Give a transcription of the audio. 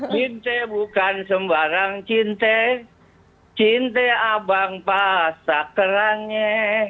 cinte bukan sembarang cinte cinte abang pasak terangnya